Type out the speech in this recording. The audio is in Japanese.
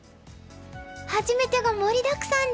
初めてが盛りだくさんでした。